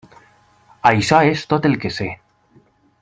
Això és tot el que sé.